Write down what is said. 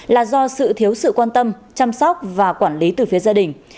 là do sự thiếu sự quan tâm chăm sóc và quản lý từ phía gia đình